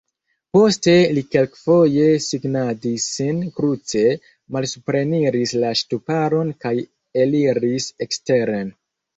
Poste li kelkfoje signadis sin kruce, malsupreniris la ŝtuparon kaj eliris eksteren.